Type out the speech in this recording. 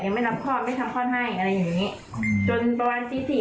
ยังไม่รับข้อไม่ทำคลอดให้อะไรอย่างเงี้ยจนประมาณจี๊สี่